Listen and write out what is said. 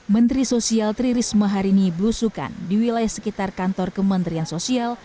menteri sosial tri risma hari ini belusukan di wilayah sekitar kantor kementerian sosial